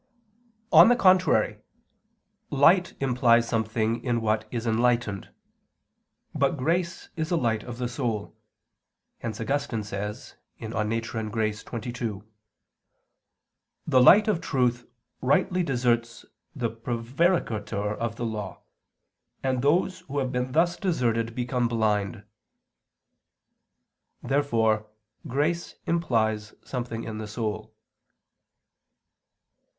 On the contrary, Light implies something in what is enlightened. But grace is a light of the soul; hence Augustine says (De Natura et Gratia xxii): "The light of truth rightly deserts the prevaricator of the law, and those who have been thus deserted become blind." Therefore grace implies something in the soul.